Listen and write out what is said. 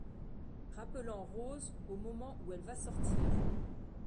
Rappelant Rose au moment où elle va sortir.